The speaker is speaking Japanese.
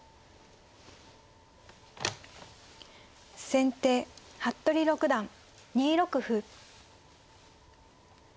先手服部六段２六歩。